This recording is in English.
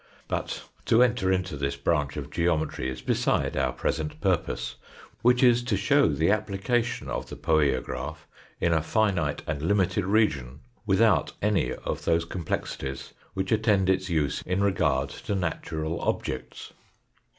But to enter into this branch of geometry is beside our present purpose, which is to show the application of the poiograph in a finite and limited region, without any of those complexities which attend its use in regard to natural objects.